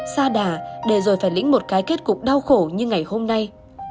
xa đà để rồi phải lĩnh một cái kết cục đau khổ như ngày hôm nay